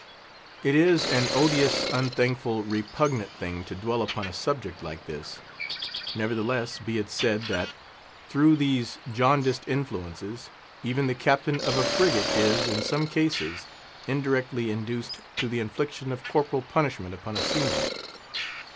It is an odious, unthankful, repugnant thing to dwell upon a subject like this; nevertheless, be it said, that, through these jaundiced influences, even the captain of a frigate is, in some cases, indirectly induced to the infliction of corporal punishment upon a seaman.